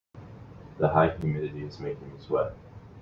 The high humidity is making me sweat.